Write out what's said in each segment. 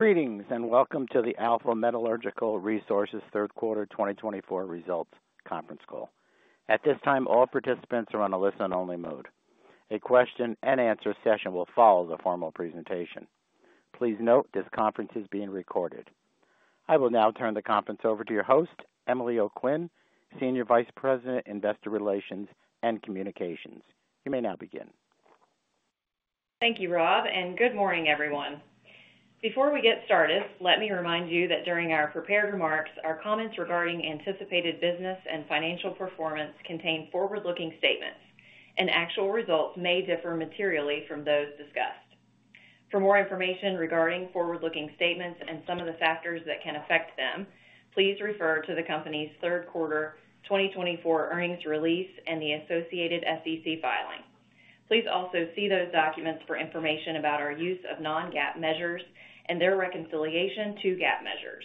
Greetings and welcome to the Alpha Metallurgical Resources Third Quarter 2024 Results Conference Call. At this time, all participants are on a listen-only mode. A question-and-answer session will follow the formal presentation. Please note this conference is being recorded. I will now turn the conference over to your host, Emily O'Quinn, Senior Vice President, Investor Relations and Communications. You may now begin. Thank you, Rob, and good morning, everyone. Before we get started, let me remind you that during our prepared remarks, our comments regarding anticipated business and financial performance contain forward-looking statements, and actual results may differ materially from those discussed. For more information regarding forward-looking statements and some of the factors that can affect them, please refer to the company's Third Quarter 2024 earnings release and the associated SEC filing. Please also see those documents for information about our use of non-GAAP measures and their reconciliation to GAAP measures.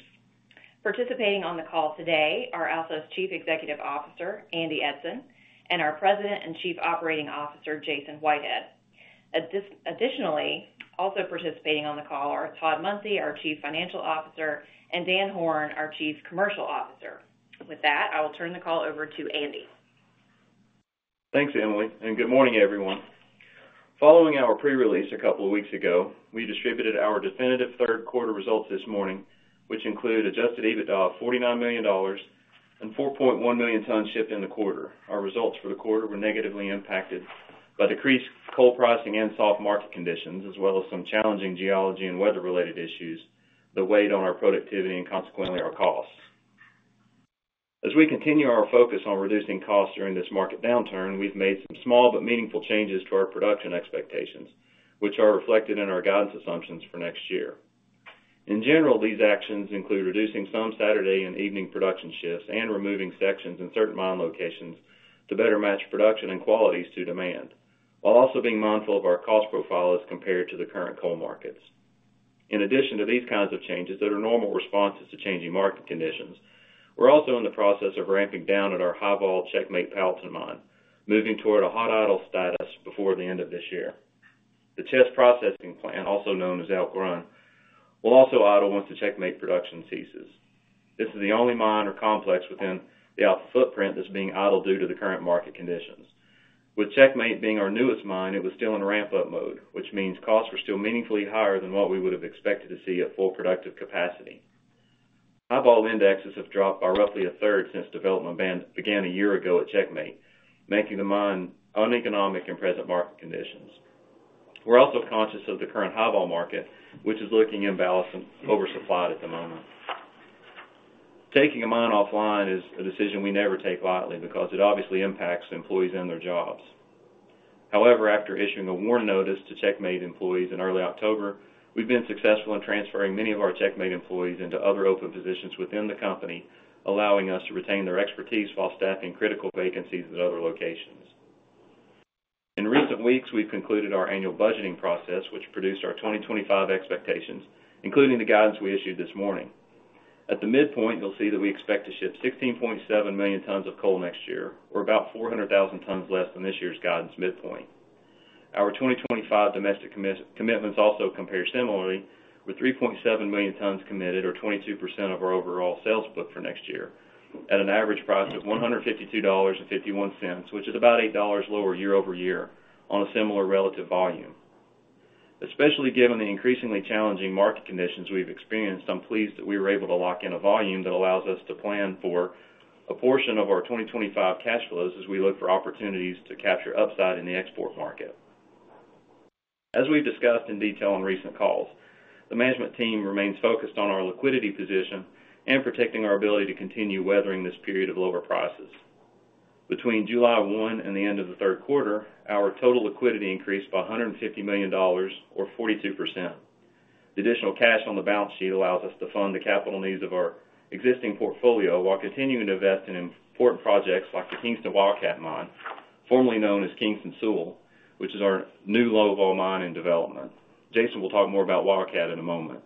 Participating on the call today are Alpha's Chief Executive Officer, Andy Eidson, and our President and Chief Operating Officer, Jason Whitehead. Additionally, also participating on the call are Todd Munsey, our Chief Financial Officer, and Dan Horn, our Chief Commercial Officer. With that, I will turn the call over to Andy. Thanks, Emily, and good morning, everyone. Following our pre-release a couple of weeks ago, we distributed our definitive Third Quarter results this morning, which include Adjusted EBITDA of $49 million and 4.1 million tons shipped in the quarter. Our results for the quarter were negatively impacted by decreased coal pricing and soft market conditions, as well as some challenging geology and weather-related issues that weighed on our productivity and consequently our costs. As we continue our focus on reducing costs during this market downturn, we've made some small but meaningful changes to our production expectations, which are reflected in our guidance assumptions for next year. In general, these actions include reducing some Saturday and evening production shifts and removing sections in certain mine locations to better match production and qualities to demand, while also being mindful of our cost profile as compared to the current coal markets. In addition to these kinds of changes that are normal responses to changing market conditions, we're also in the process of ramping down at our high-vol Checkmate mine, moving toward a hot idle status before the end of this year. The Pettus processing plant, also known as Elk Run, will also idle once the Checkmate production ceases. This is the only mine or complex within the Alpha footprint that's being idled due to the current market conditions. With Checkmate being our newest mine, it was still in ramp-up mode, which means costs were still meaningfully higher than what we would have expected to see at full productive capacity. High-vol indexes have dropped by roughly a third since development began a year ago at Checkmate, making the mine uneconomic in present market conditions. We're also conscious of the current high-vol market, which is looking imbalanced and oversupplied at the moment. Taking a mine offline is a decision we never take lightly because it obviously impacts employees and their jobs. However, after issuing a WARN notice to Checkmate employees in early October, we've been successful in transferring many of our Checkmate employees into other open positions within the company, allowing us to retain their expertise while staffing critical vacancies at other locations. In recent weeks, we've concluded our annual budgeting process, which produced our 2025 expectations, including the guidance we issued this morning. At the midpoint, you'll see that we expect to ship 16.7 million tons of coal next year, or about 400,000 tons less than this year's guidance midpoint. Our 2025 domestic commitments also compare similarly, with 3.7 million tons committed, or 22% of our overall sales book for next year, at an average price of $152.51, which is about $8 lower year-over-year on a similar relative volume. Especially given the increasingly challenging market conditions we've experienced, I'm pleased that we were able to lock in a volume that allows us to plan for a portion of our 2025 cash flows as we look for opportunities to capture upside in the export market. As we've discussed in detail on recent calls, the management team remains focused on our liquidity position and protecting our ability to continue weathering this period of lower prices. Between July 1 and the end of the third quarter, our total liquidity increased by $150 million, or 42%. The additional cash on the balance sheet allows us to fund the capital needs of our existing portfolio while continuing to invest in important projects like the Kingston Wildcat mine, formerly known as Kingston Sewell, which is our new Low-Vol mine in development. Jason will talk more about Wildcat in a moment.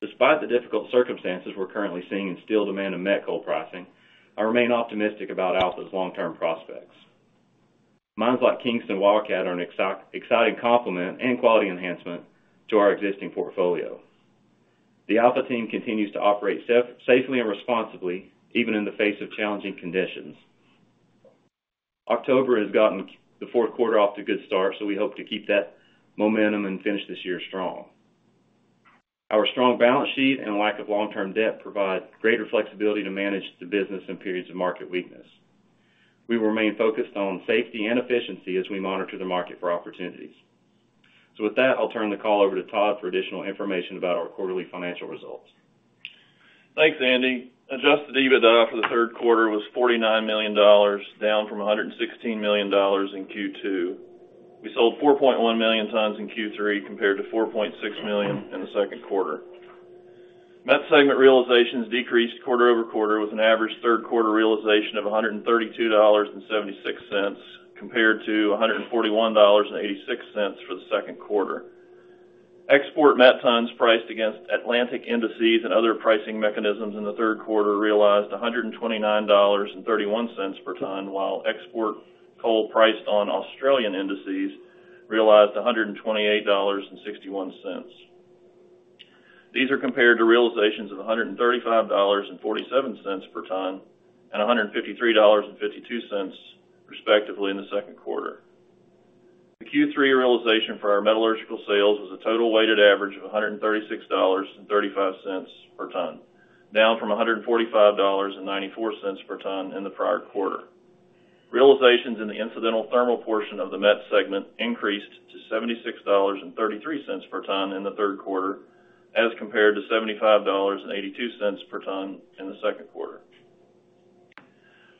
Despite the difficult circumstances we're currently seeing and still demanding met coal pricing, I remain optimistic about Alpha's long-term prospects. Mines like Kingston Wildcat are an exciting complement and quality enhancement to our existing portfolio. The Alpha team continues to operate safely and responsibly, even in the face of challenging conditions. October has gotten the fourth quarter off to a good start, so we hope to keep that momentum and finish this year strong. Our strong balance sheet and lack of long-term debt provide greater flexibility to manage the business in periods of market weakness. We will remain focused on safety and efficiency as we monitor the market for opportunities. So with that, I'll turn the call over to Todd for additional information about our quarterly financial results. Thanks, Andy. Adjusted EBITDA for the third quarter was $49 million, down from $116 million in Q2. We sold 4.1 million tons in Q3 compared to 4.6 million tons in the second quarter. Met segment realizations decreased quarter over quarter with an average third quarter realization of $132.76 compared to $141.86 for the second quarter. Export met tons priced against Atlantic indices and other pricing mechanisms in the third quarter realized $129.31 per ton, while export coal priced on Australian indices realized $128.61. These are compared to realizations of $135.47 per ton and $153.52, respectively, in the second quarter. The Q3 realization for our metallurgical sales was a total weighted average of $136.35 per ton, down from $145.94 per ton in the prior quarter. Realizations in the incidental thermal portion of the met segment increased to $76.33 per ton in the third quarter, as compared to $75.82 per ton in the second quarter.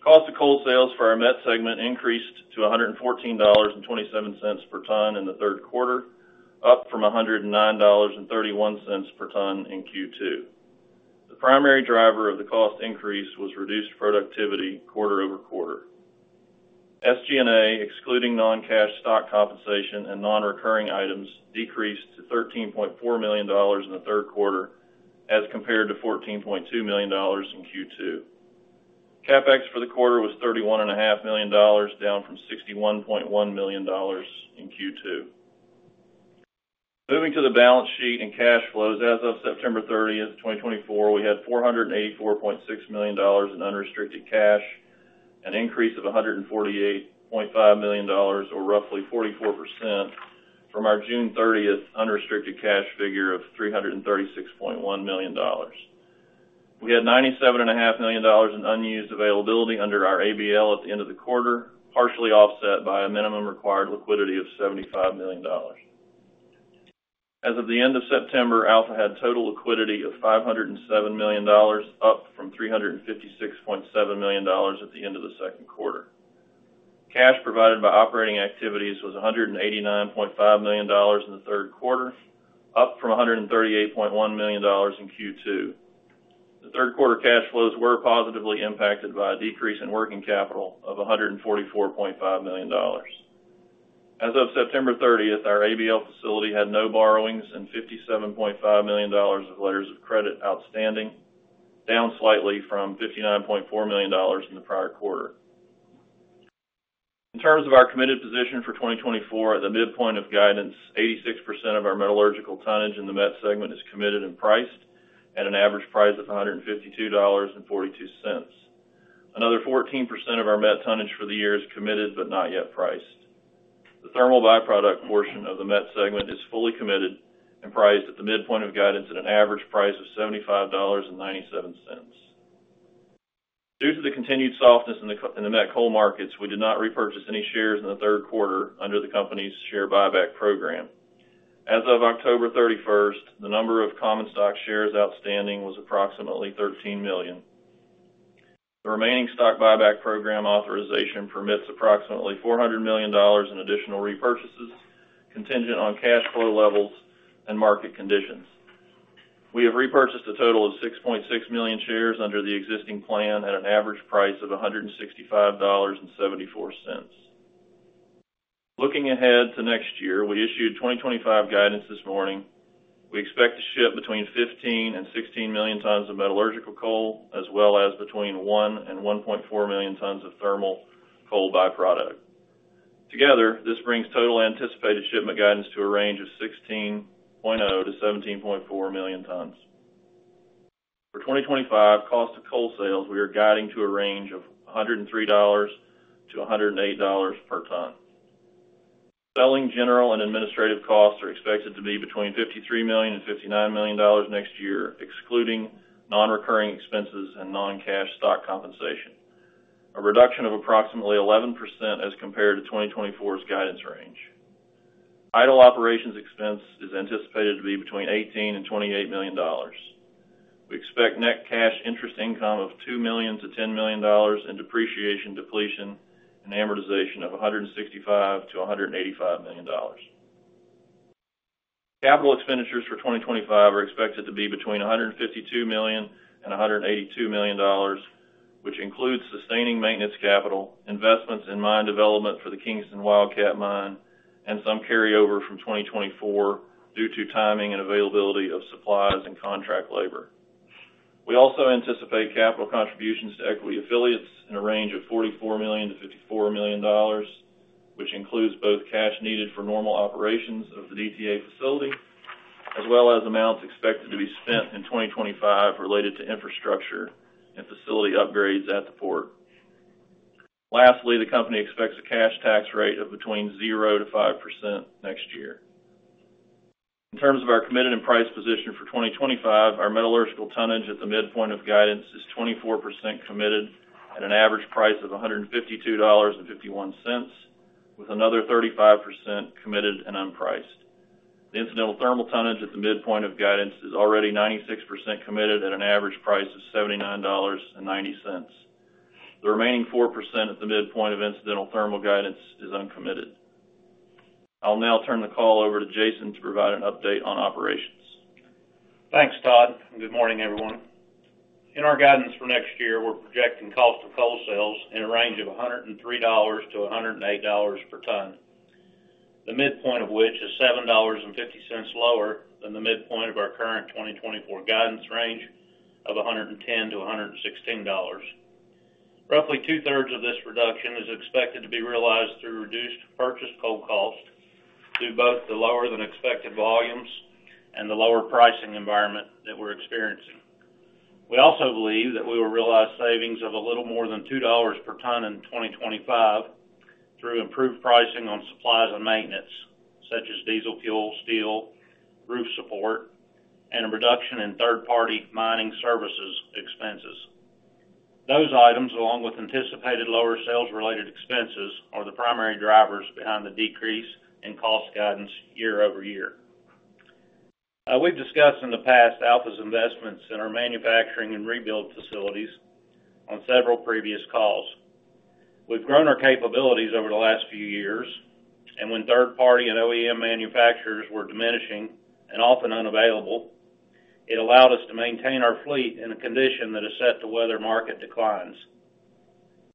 Cost of coal sales for our met segment increased to $114.27 per ton in the third quarter, up from $109.31 per ton in Q2. The primary driver of the cost increase was reduced productivity quarter over quarter. SG&A, excluding non-cash stock compensation and non-recurring items, decreased to $13.4 million in the third quarter, as compared to $14.2 million in Q2. CapEx for the quarter was $31.5 million, down from $61.1 million in Q2. Moving to the balance sheet and cash flows, as of September 30, 2024, we had $484.6 million in unrestricted cash, an increase of $148.5 million, or roughly 44%, from our June 30 unrestricted cash figure of $336.1 million. We had $97.5 million in unused availability under our ABL at the end of the quarter, partially offset by a minimum required liquidity of $75 million. As of the end of September, Alpha had total liquidity of $507 million, up from $356.7 million at the end of the second quarter. Cash provided by operating activities was $189.5 million in the third quarter, up from $138.1 million in Q2. The third quarter cash flows were positively impacted by a decrease in working capital of $144.5 million. As of September 30, our ABL facility had no borrowings and $57.5 million of letters of credit outstanding, down slightly from $59.4 million in the prior quarter. In terms of our committed position for 2024, at the midpoint of guidance, 86% of our metallurgical tonnage in the met segment is committed and priced at an average price of $152.42. Another 14% of our met tonnage for the year is committed but not yet priced. The thermal byproduct portion of the met segment is fully committed and priced at the midpoint of guidance at an average price of $75.97. Due to the continued softness in the met coal markets, we did not repurchase any shares in the third quarter under the company's share buyback program. As of October 31, the number of common stock shares outstanding was approximately 13 million. The remaining stock buyback program authorization permits approximately $400 million in additional repurchases, contingent on cash flow levels and market conditions. We have repurchased a total of 6.6 million shares under the existing plan at an average price of $165.74. Looking ahead to next year, we issued 2025 guidance this morning. We expect to ship between 15 and 16 million tons of metallurgical coal, as well as between 1 and 1.4 million tons of thermal coal byproduct. Together, this brings total anticipated shipment guidance to a range of 16.0-17.4 million tons. For 2025 cost of coal sales, we are guiding to a range of $103.00-$108.00 per ton. Selling general and administrative costs are expected to be between $53.00 and $59.00 next year, excluding non-recurring expenses and non-cash stock compensation, a reduction of approximately 11% as compared to 2024's guidance range. Idle operations expense is anticipated to be between $18.00 and $28.00. We expect net cash interest income of $2.00 million-$10.00 million and depreciation, depletion, and amortization of $165.00-$185.00 million. Capital expenditures for 2025 are expected to be between $152.00 million and $182.00 million, which includes sustaining maintenance capital, investments in mine development for the Kingston Wildcat mine, and some carryover from 2024 due to timing and availability of supplies and contract labor. We also anticipate capital contributions to equity affiliates in a range of $44.00 million to $54.00 million, which includes both cash needed for normal operations of the DTA facility, as well as amounts expected to be spent in 2025 related to infrastructure and facility upgrades at the port. Lastly, the company expects a cash tax rate of between 0% to 5% next year. In terms of our committed and priced position for 2025, our metallurgical tonnage at the midpoint of guidance is 24% committed at an average price of $152.51, with another 35% committed and unpriced. The incidental thermal tonnage at the midpoint of guidance is already 96% committed at an average price of $79.90. The remaining 4% at the midpoint of incidental thermal guidance is uncommitted. I'll now turn the call over to Jason to provide an update on operations. Thanks, Todd. Good morning, everyone. In our guidance for next year, we're projecting cost of coal sales in a range of $103.00-$108.00 per ton, the midpoint of which is $7.50 lower than the midpoint of our current 2024 guidance range of $110.00-$116.00. Roughly two-thirds of this reduction is expected to be realized through reduced purchase coal costs due to both the lower-than-expected volumes and the lower pricing environment that we're experiencing. We also believe that we will realize savings of a little more than $2.00 per ton in 2025 through improved pricing on supplies and maintenance, such as diesel fuel, steel, roof support, and a reduction in third-party mining services expenses. Those items, along with anticipated lower sales-related expenses, are the primary drivers behind the decrease in cost guidance year-over-year. We've discussed in the past Alpha's investments in our manufacturing and rebuild facilities on several previous calls. We've grown our capabilities over the last few years, and when third-party and OEM manufacturers were diminishing and often unavailable, it allowed us to maintain our fleet in a condition that is set to weather market declines.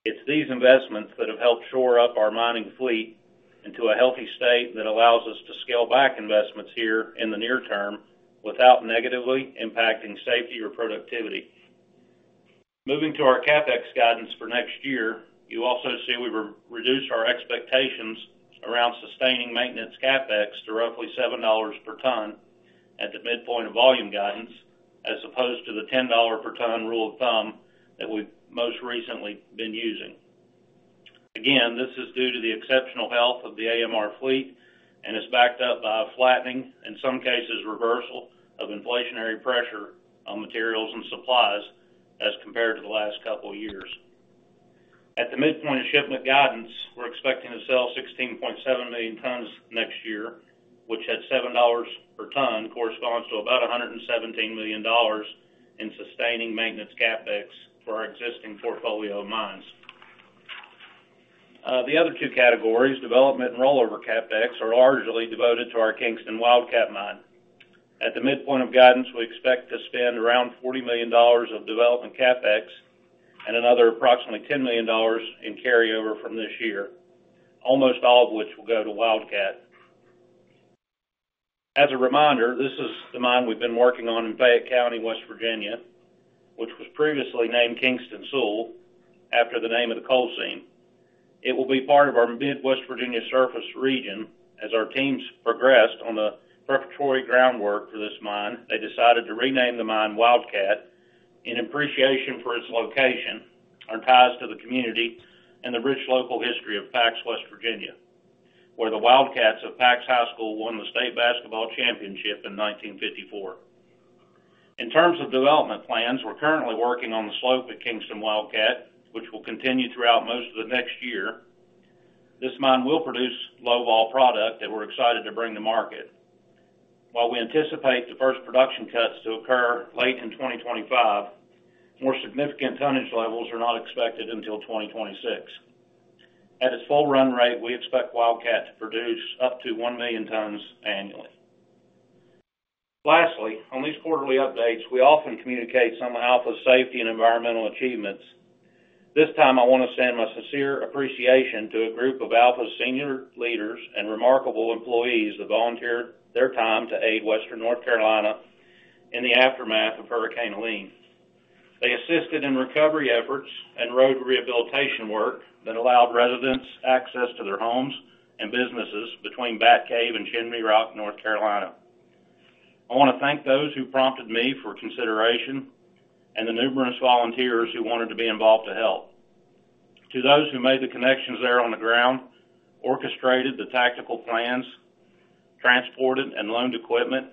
It's these investments that have helped shore up our mining fleet into a healthy state that allows us to scale back investments here in the near term without negatively impacting safety or productivity. Moving to our CapEx guidance for next year, you also see we've reduced our expectations around sustaining maintenance CapEx to roughly $7.00 per ton at the midpoint of volume guidance, as opposed to the $10.00 per ton rule of thumb that we've most recently been using. Again, this is due to the exceptional health of the AMR fleet and is backed up by a flattening, in some cases reversal, of inflationary pressure on materials and supplies as compared to the last couple of years. At the midpoint of shipment guidance, we're expecting to sell 16.7 million tons next year, which at $7.00 per ton corresponds to about $117 million in sustaining maintenance CapEx for our existing portfolio of mines. The other two categories, development and rollover CapEx, are largely devoted to our Kingston Wildcat mine. At the midpoint of guidance, we expect to spend around $40 million of development CapEx and another approximately $10 million in carryover from this year, almost all of which will go to Wildcat. As a reminder, this is the mine we've been working on in Fayette County, West Virginia, which was previously named Kingston Sewell after the name of the coal seam. It will be part of our Midwest Virginia surface region. As our teams progressed on the preparatory groundwork for this mine, they decided to rename the mine Wildcat in appreciation for its location and ties to the community and the rich local history of Pax, West Virginia, where the Wildcats of Pax High School won the state basketball championship in 1954. In terms of development plans, we're currently working on the slope at Kingston Wildcat, which will continue throughout most of the next year. This mine will produce low-vol product that we're excited to bring to market. While we anticipate the first production cuts to occur late in 2025, more significant tonnage levels are not expected until 2026. At its full run rate, we expect Wildcat to produce up to 1 million tons annually. Lastly, on these quarterly updates, we often communicate some of Alpha's safety and environmental achievements. This time, I want to send my sincere appreciation to a group of Alpha's senior leaders and remarkable employees that volunteered their time to aid Western North Carolina in the aftermath of Hurricane Helene. They assisted in recovery efforts and road rehabilitation work that allowed residents access to their homes and businesses between Bat Cave and Chimney Rock, North Carolina. I want to thank those who prompted me for consideration and the numerous volunteers who wanted to be involved to help. To those who made the connections there on the ground, orchestrated the tactical plans, transported and loaned equipment,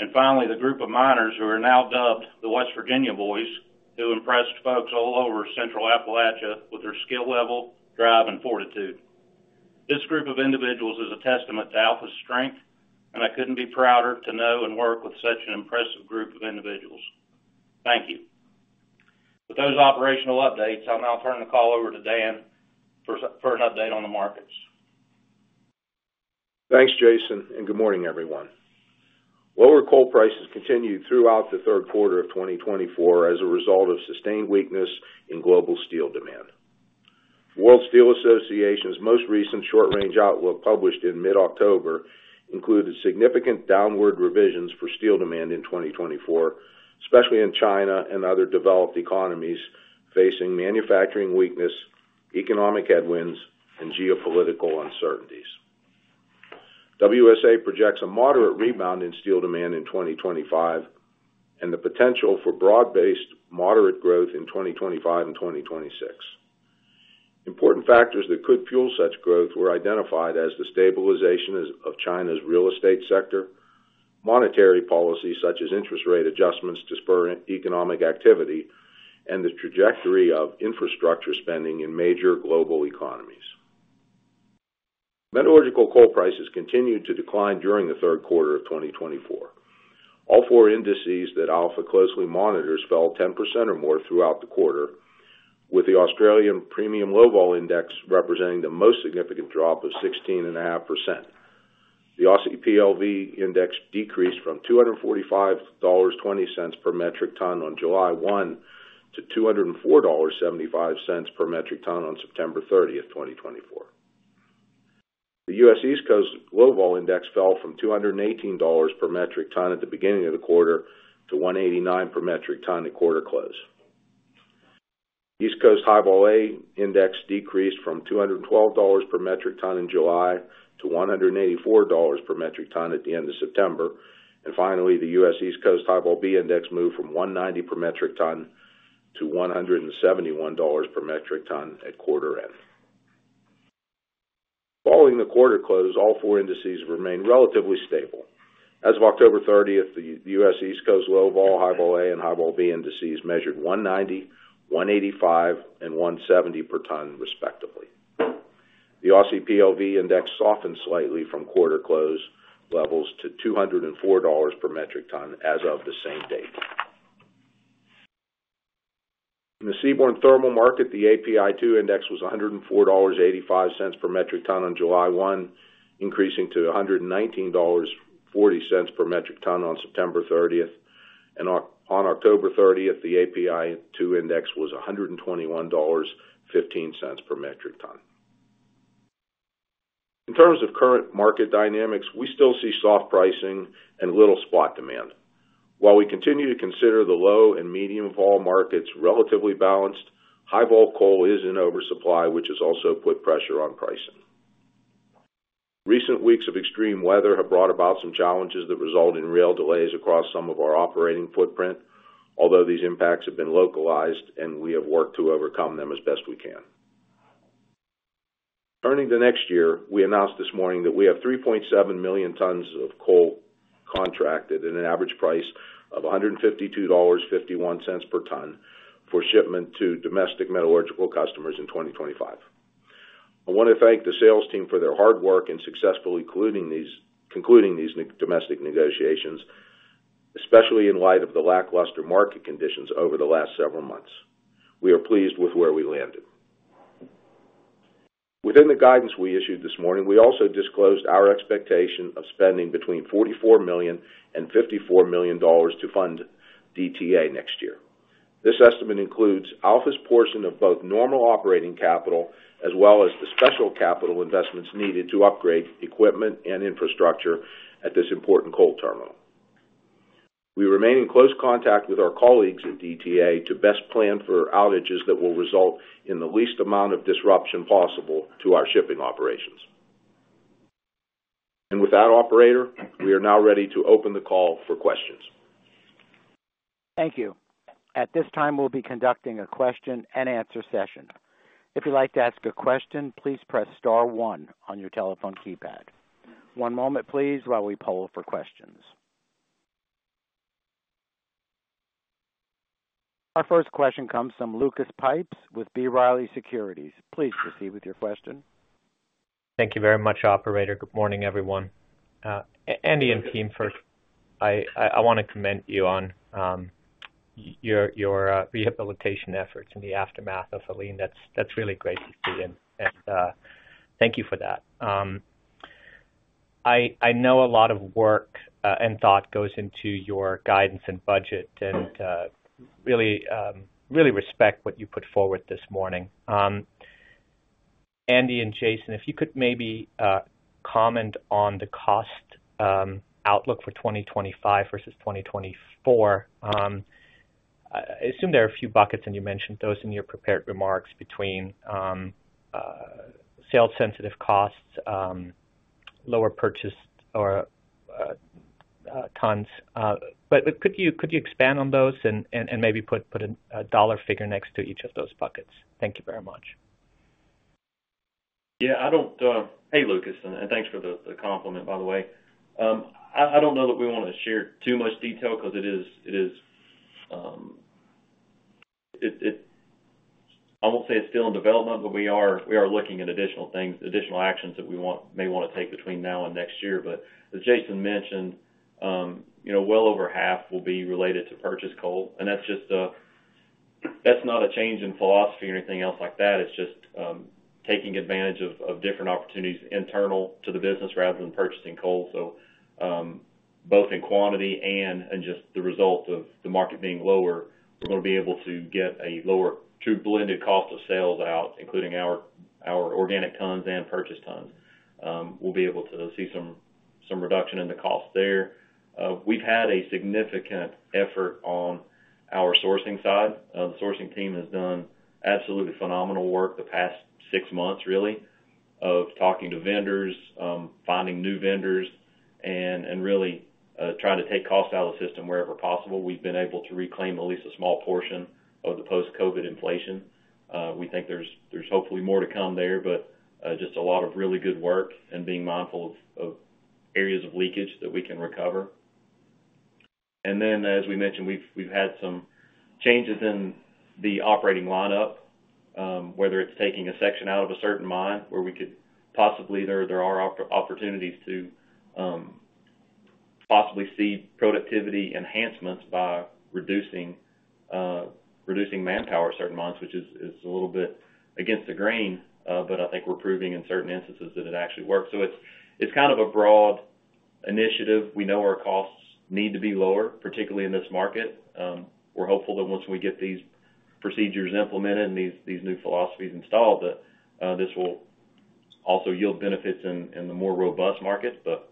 and finally, the group of miners who are now dubbed the West Virginia Boys, who impressed folks all over Central Appalachia with their skill level, drive, and fortitude. This group of individuals is a testament to Alpha's strength, and I couldn't be prouder to know and work with such an impressive group of individuals. Thank you. With those operational updates, I'll now turn the call over to Dan for an update on the markets. Thanks, Jason, and good morning, everyone. Lower coal prices continued throughout the third quarter of 2024 as a result of sustained weakness in global steel demand. World Steel Association's most recent short-range outlook published in mid-October included significant downward revisions for steel demand in 2024, especially in China and other developed economies facing manufacturing weakness, economic headwinds, and geopolitical uncertainties. WSA projects a moderate rebound in steel demand in 2025 and the potential for broad-based moderate growth in 2025 and 2026. Important factors that could fuel such growth were identified as the stabilization of China's real estate sector, monetary policies such as interest rate adjustments to spur economic activity, and the trajectory of infrastructure spending in major global economies. Metallurgical coal prices continued to decline during the third quarter of 2024. All four indices that Alpha closely monitors fell 10% or more throughout the quarter, with the Australian Premium Low-Vol Index representing the most significant drop of 16.5%. The Aussie PLV Index decreased from $245.20 per metric ton on July 1 to $204.75 per metric ton on September 30, 2024. The U.S. East Coast Low-Vol Index fell from $218 per metric ton at the beginning of the quarter to $189 per metric ton at quarter close. U.S. East Coast High-Vol A Index decreased from $212 per metric ton in July to $184 per metric ton at the end of September. And finally, the U.S. East Coast High-Vol B Index moved from $190 per metric ton to $171 per metric ton at quarter end. Following the quarter close, all four indices remained relatively stable. As of October 30, the U.S. East Coast Low-Vol, High-Vol A, and High-Vol B indices measured $190, $185, and $170 per ton, respectively. The Aussie PLV Index softened slightly from quarter close levels to $204 per metric ton as of the same date. In the Seaborne Thermal Market, the API-2 Index was $104.85 per metric ton on July 1, increasing to $119.40 per metric ton on September 30. On October 30, the API-2 Index was $121.15 per metric ton. In terms of current market dynamics, we still see soft pricing and little spot demand. While we continue to consider the low and medium vol markets relatively balanced, high-vol coal is in oversupply, which has also put pressure on pricing. Recent weeks of extreme weather have brought about some challenges that result in rail delays across some of our operating footprint, although these impacts have been localized and we have worked to overcome them as best we can. Turning to next year, we announced this morning that we have 3.7 million tons of coal contracted at an average price of $152.51 per ton for shipment to domestic metallurgical customers in 2025. I want to thank the sales team for their hard work in successfully concluding these domestic negotiations, especially in light of the lackluster market conditions over the last several months. We are pleased with where we landed. Within the guidance we issued this morning, we also disclosed our expectation of spending between $44 million and $54 million to fund DTA next year. This estimate includes Alpha's portion of both normal operating capital as well as the special capital investments needed to upgrade equipment and infrastructure at this important coal terminal. We remain in close contact with our colleagues at DTA to best plan for outages that will result in the least amount of disruption possible to our shipping operations. And with that, Operator, we are now ready to open the call for questions. Thank you. At this time, we'll be conducting a question-and-answer session. If you'd like to ask a question, please press star one on your telephone keypad. One moment, please, while we poll for questions. Our first question comes from Lucas Pipes with B. Riley Securities. Please proceed with your question. Thank you very much, Operator. Good morning, everyone. Andy and team, first, I want to commend you on your rehabilitation efforts in the aftermath of Helene. That's really great to see. And thank you for that. I know a lot of work and thought goes into your guidance and budget, and I really respect what you put forward this morning. Andy and Jason, if you could maybe comment on the cost outlook for 2025 versus 2024? I assume there are a few buckets, and you mentioned those in your prepared remarks, between sales-sensitive costs, lower purchase tons. But could you expand on those and maybe put a dollar figure next to each of those buckets? Thank you very much. Yeah. Hey, Lucas, and thanks for the compliment, by the way. I don't know that we want to share too much detail because it is, I won't say it's still in development, but we are looking at additional actions that we may want to take between now and next year. But as Jason mentioned, well over half will be related to purchase coal. And that's not a change in philosophy or anything else like that. It's just taking advantage of different opportunities internal to the business rather than purchasing coal. So both in quantity and just the result of the market being lower, we're going to be able to get a lower true blended cost of sales out, including our organic tons and purchase tons. We'll be able to see some reduction in the cost there. We've had a significant effort on our sourcing side. The sourcing team has done absolutely phenomenal work the past six months, really, of talking to vendors, finding new vendors, and really trying to take costs out of the system wherever possible. We've been able to reclaim at least a small portion of the post-COVID inflation. We think there's hopefully more to come there, but just a lot of really good work and being mindful of areas of leakage that we can recover. And then, as we mentioned, we've had some changes in the operating lineup, whether it's taking a section out of a certain mine where we could possibly, there are opportunities to possibly see productivity enhancements by reducing manpower in certain mines, which is a little bit against the grain, but I think we're proving in certain instances that it actually works. So it's kind of a broad initiative. We know our costs need to be lower, particularly in this market. We're hopeful that once we get these procedures implemented and these new philosophies installed, that this will also yield benefits in the more robust market, but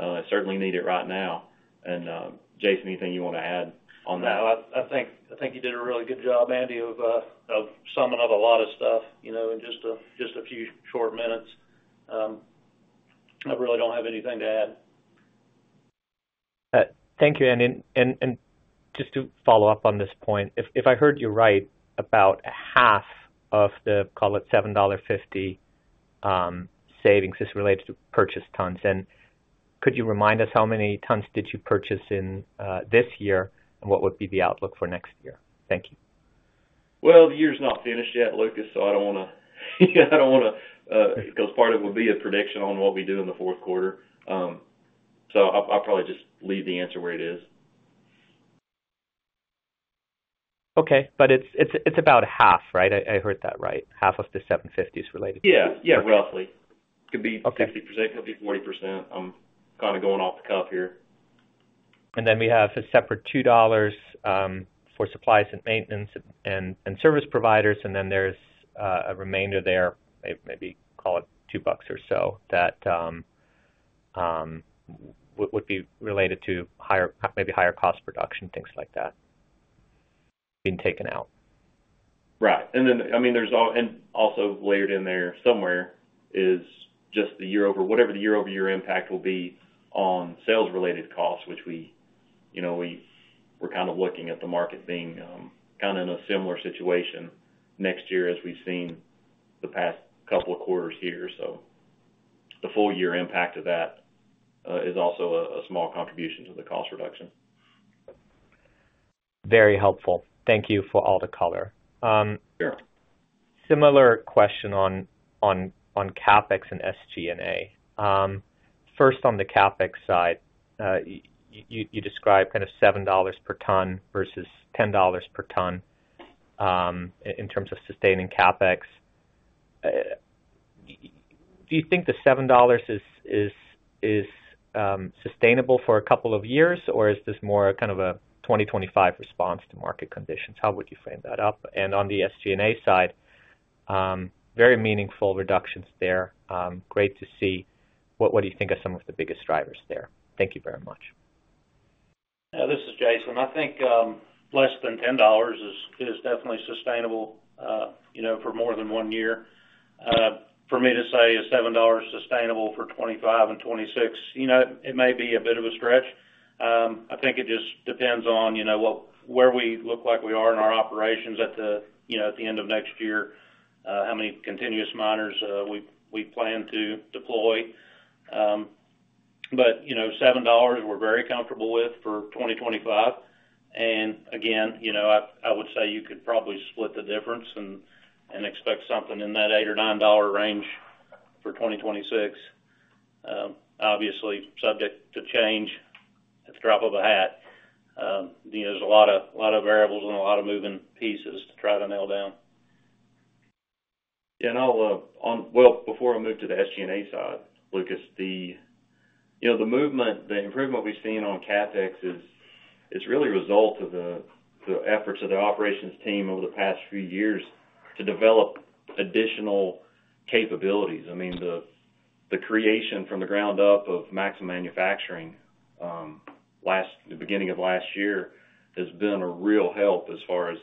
I certainly need it right now. And Jason, anything you want to add on that? No, I think you did a really good job, Andy, of summing up a lot of stuff in just a few short minutes. I really don't have anything to add. Thank you, Andy. And just to follow up on this point, if I heard you right about half of the, call it $7.50 savings, this relates to purchase tons. And could you remind us how many tons did you purchase in this year and what would be the outlook for next year? Thank you. The year's not finished yet, Lucas, so I don't want to because part of it will be a prediction on what we do in the fourth quarter, so I'll probably just leave the answer where it is. Okay. But it's about half, right? I heard that right? Half of the 750 is related to. Yeah, yeah, roughly. It could be 50%, could be 40%. I'm kind of going off the cuff here. And then we have a separate $2 for supplies and maintenance and service providers. And then there's a remainder there, maybe call it two bucks or so, that would be related to maybe higher cost production, things like that being taken out. Right. And then, I mean, there's also layered in there somewhere is just whatever the year-over-year impact will be on sales-related costs, which we're kind of looking at the market being kind of in a similar situation next year as we've seen the past couple of quarters here. So the full-year impact of that is also a small contribution to the cost reduction. Very helpful. Thank you for all the color. Sure. Similar question on CapEx and SG&A. First, on the CapEx side, you described kind of $7 per ton versus $10 per ton in terms of sustaining CapEx. Do you think the $7 is sustainable for a couple of years, or is this more kind of a 2025 response to market conditions? How would you frame that up? And on the SG&A side, very meaningful reductions there. Great to see. What do you think are some of the biggest drivers there? Thank you very much. This is Jason. I think less than $10 is definitely sustainable for more than one year. For me to say a $7 sustainable for 2025 and 2026, it may be a bit of a stretch. I think it just depends on where we look like we are in our operations at the end of next year, how many continuous miners we plan to deploy. $7, we're very comfortable with for 2025. Again, I would say you could probably split the difference and expect something in that $8 or $9 range for 2026. Obviously, subject to change at the drop of a hat. There's a lot of variables and a lot of moving pieces to try to nail down. Yeah. Well, before I move to the SG&A side, Lucas, the movement, the improvement we've seen on CapEx is really a result of the efforts of the operations team over the past few years to develop additional capabilities. I mean, the creation from the ground up of Maxxim Rebuild the beginning of last year has been a real help as far as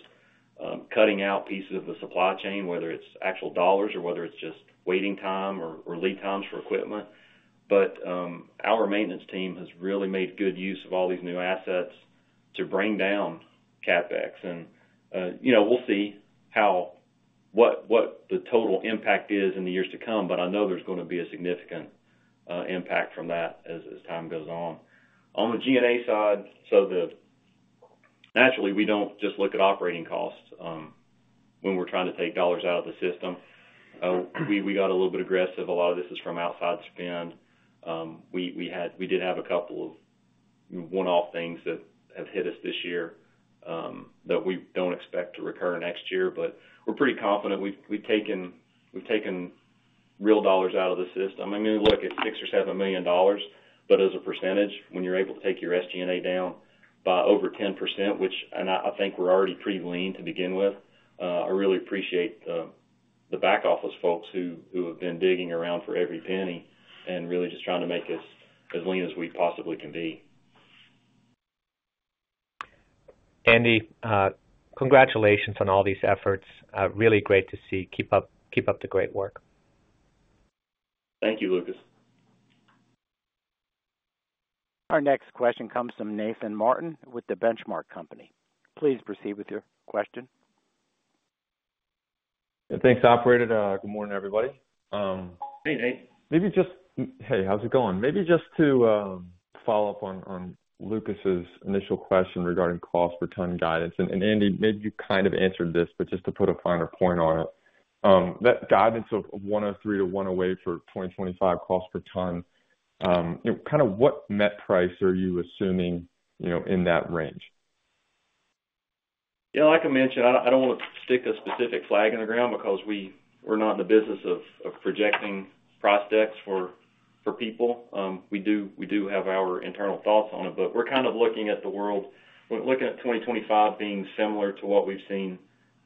cutting out pieces of the supply chain, whether it's actual dollars or whether it's just waiting time or lead times for equipment. But our maintenance team has really made good use of all these new assets to bring down CapEx. And we'll see what the total impact is in the years to come, but I know there's going to be a significant impact from that as time goes on. On the G&A side, so naturally, we don't just look at operating costs when we're trying to take dollars out of the system. We got a little bit aggressive. A lot of this is from outside spend. We did have a couple of one-off things that have hit us this year that we don't expect to recur next year, but we're pretty confident. We've taken real dollars out of the system. I mean, we look at $6 million-$7 million, but as a percentage, when you're able to take your SG&A down by over 10%, which I think we're already pretty lean to begin with, I really appreciate the back office folks who have been digging around for every penny and really just trying to make us as lean as we possibly can be. Andy, congratulations on all these efforts. Really great to see. Keep up the great work. Thank you, Lucas. Our next question comes from Nathan Martin with The Benchmark Company. Please proceed with your question. Thanks, Operator. Good morning, everybody. Hey, Nate. Maybe just, hey, how's it going? Maybe just to follow up on Lucas's initial question regarding cost per ton guidance. And Andy, maybe you kind of answered this, but just to put a finer point on it, that guidance of $103-$108 for 2025 cost per ton, kind of what net price are you assuming in that range? Yeah. Like I mentioned, I don't want to stick a specific flag in the ground because we're not in the business of projecting price decks for people. We do have our internal thoughts on it, but we're kind of looking at the world, looking at 2025 being similar to what we've seen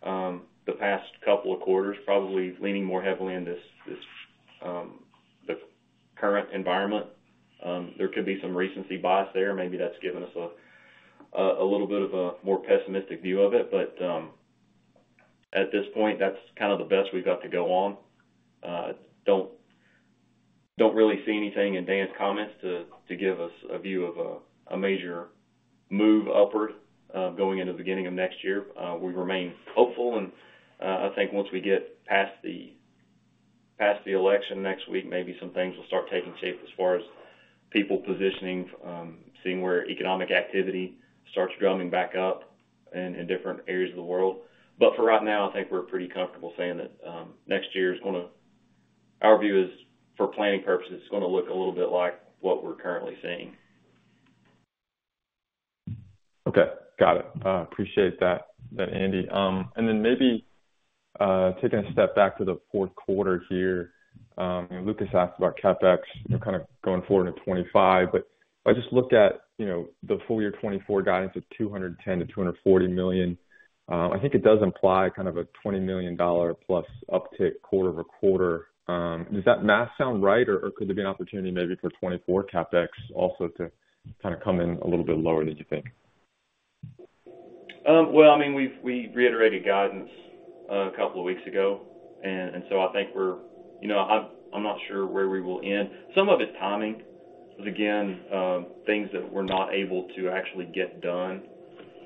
the past couple of quarters, probably leaning more heavily into the current environment. There could be some recency bias there. Maybe that's given us a little bit of a more pessimistic view of it. But at this point, that's kind of the best we've got to go on. I don't really see anything in Dan's comments to give us a view of a major move upward going into the beginning of next year. We remain hopeful. And I think once we get past the election next week, maybe some things will start taking shape as far as people positioning, seeing where economic activity starts drumming back up in different areas of the world. But for right now, I think we're pretty comfortable saying that next year is going to, our view is, for planning purposes, it's going to look a little bit like what we're currently seeing. Okay. Got it. Appreciate that, Andy. And then maybe taking a step back to the fourth quarter here, Lucas asked about CapEx kind of going forward into 2025. But if I just look at the full-year 2024 guidance of $210 million-$240 million, I think it does imply kind of a $20 million-plus uptick quarter over quarter. Does that math sound right, or could there be an opportunity maybe for 2024 CapEx also to kind of come in a little bit lower than you think? I mean, we reiterated guidance a couple of weeks ago. I think we're, I'm not sure where we will end. Some of it's timing because, again, things that we're not able to actually get done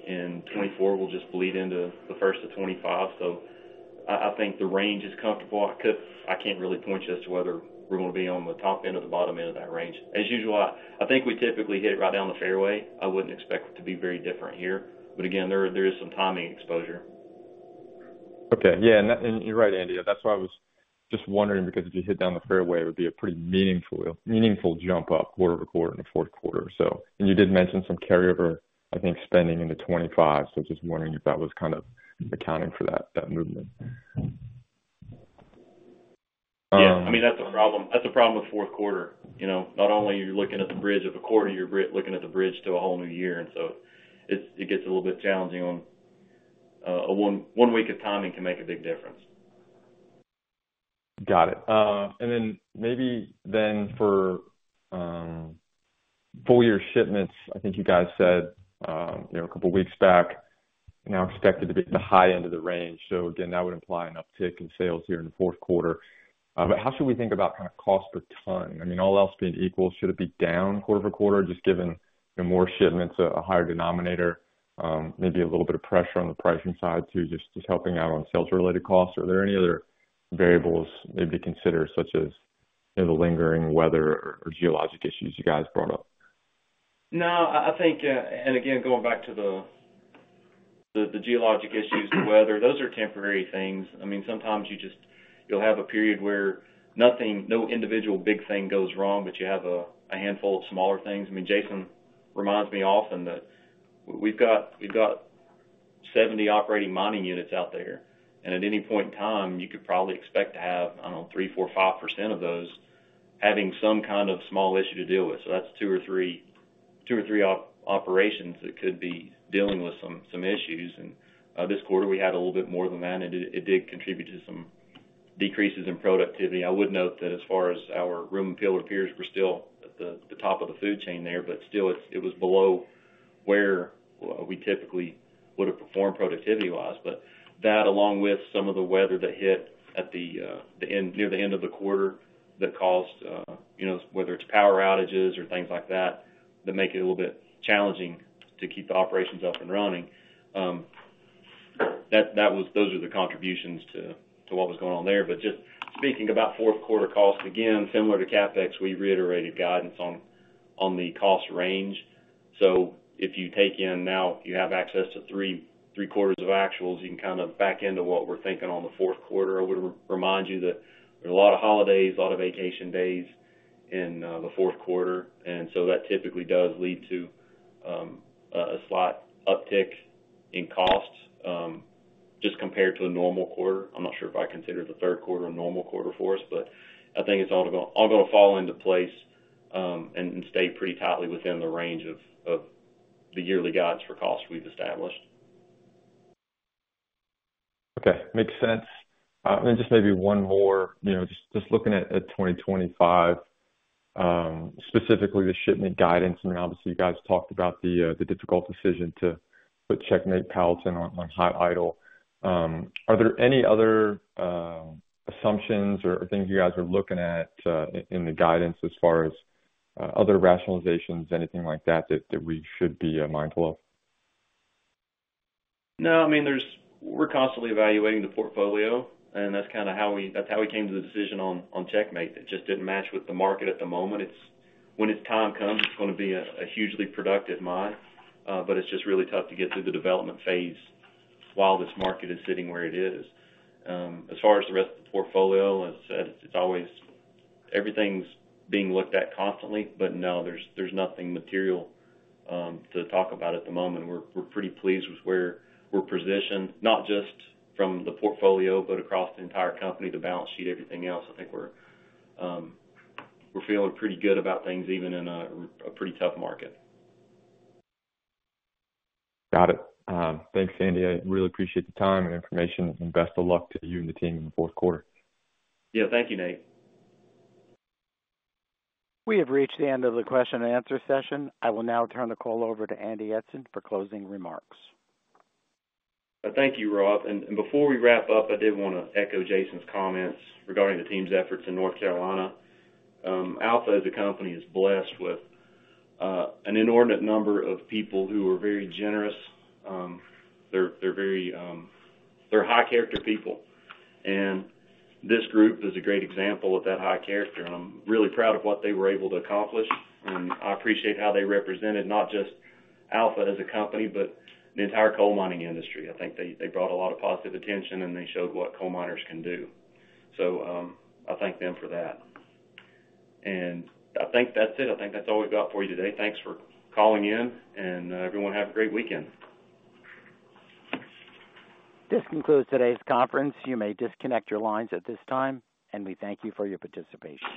in 2024 will just bleed into the first of 2025. I think the range is comfortable. I can't really point you as to whether we're going to be on the top end or the bottom end of that range. As usual, I think we typically hit it right down the fairway. I wouldn't expect it to be very different here. Again, there is some timing exposure. Okay. Yeah, and you're right, Andy. That's why I was just wondering because if you hit down the fairway, it would be a pretty meaningful jump up quarter to quarter in the fourth quarter, and you did mention some carryover, I think, spending into 2025, so just wondering if that was kind of accounting for that movement. Yeah. I mean, that's a problem. That's a problem with fourth quarter. Not only are you looking at the bridge of a quarter, you're looking at the bridge to a whole new year. And so it gets a little bit challenging. One week of timing can make a big difference. Got it. And then maybe then for full-year shipments, I think you guys said a couple of weeks back, now expected to be at the high end of the range. So again, that would imply an uptick in sales here in the fourth quarter. But how should we think about kind of cost per ton? I mean, all else being equal, should it be down quarter to quarter, just given more shipments, a higher denominator, maybe a little bit of pressure on the pricing side too, just helping out on sales-related costs? Are there any other variables maybe to consider, such as the lingering weather or geologic issues you guys brought up? No, I think, and again, going back to the geologic issues, the weather, those are temporary things. I mean, sometimes you'll have a period where no individual big thing goes wrong, but you have a handful of smaller things. I mean, Jason reminds me often that we've got 70 operating mining units out there. And at any point in time, you could probably expect to have, I don't know, 3%, 4%, 5% of those having some kind of small issue to deal with. So that's two or three operations that could be dealing with some issues. And this quarter, we had a little bit more than that, and it did contribute to some decreases in productivity. I would note that as far as our room and pillar peers, we're still at the top of the food chain there, but still, it was below where we typically would have performed productivity-wise. But that, along with some of the weather that hit near the end of the quarter that caused, whether it's power outages or things like that, that make it a little bit challenging to keep the operations up and running. Those are the contributions to what was going on there. But just speaking about fourth quarter cost, again, similar to CapEx, we reiterated guidance on the cost range. So if you take in now, you have access to three quarters of actuals, you can kind of back into what we're thinking on the fourth quarter. I would remind you that there are a lot of holidays, a lot of vacation days in the fourth quarter. And so that typically does lead to a slight uptick in costs just compared to a normal quarter. I'm not sure if I consider the third quarter a normal quarter for us, but I think it's all going to fall into place and stay pretty tightly within the range of the yearly guidance for costs we've established. Okay. Makes sense. And then just maybe one more, just looking at 2025, specifically the shipment guidance. I mean, obviously, you guys talked about the difficult decision to put the Checkmate mine on hot idle. Are there any other assumptions or things you guys are looking at in the guidance as far as other rationalizations, anything like that that we should be mindful of? No, I mean, we're constantly evaluating the portfolio, and that's kind of how we came to the decision on Checkmate. It just didn't match with the market at the moment. When its time comes, it's going to be a hugely productive mine, but it's just really tough to get through the development phase while this market is sitting where it is. As far as the rest of the portfolio, as I said, everything's being looked at constantly, but no, there's nothing material to talk about at the moment. We're pretty pleased with where we're positioned, not just from the portfolio, but across the entire company, the balance sheet, everything else. I think we're feeling pretty good about things even in a pretty tough market. Got it. Thanks, Andy. I really appreciate the time and information. And best of luck to you and the team in the fourth quarter. Yeah. Thank you, Nate. We have reached the end of the question-and-answer session. I will now turn the call over to Andy Eidson for closing remarks. Thank you, Rob. And before we wrap up, I did want to echo Jason's comments regarding the team's efforts in North Carolina. Alpha, as a company, is blessed with an inordinate number of people who are very generous. They're high-character people. And this group is a great example of that high character. And I'm really proud of what they were able to accomplish. And I appreciate how they represented not just Alpha as a company, but the entire coal mining industry. I think they brought a lot of positive attention, and they showed what coal miners can do. So I thank them for that. And I think that's it. I think that's all we've got for you today. Thanks for calling in. And everyone, have a great weekend. This concludes today's conference. You may disconnect your lines at this time, and we thank you for your participation.